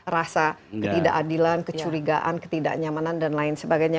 rasa ketidakadilan kecurigaan ketidaknyamanan dan lain sebagainya